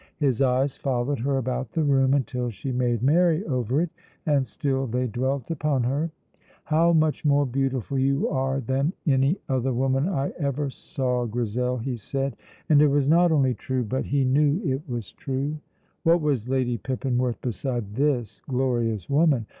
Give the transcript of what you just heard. His eyes followed her about the room until she made merry over it, and still they dwelt upon her. "How much more beautiful you are than any other woman I ever saw, Grizel!" he said. And it was not only true, but he knew it was true. What was Lady Pippinworth beside this glorious woman?